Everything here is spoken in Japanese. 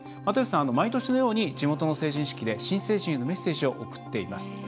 又吉さんは、毎年のように地元の成人式で新成人へのメッセージを送っています。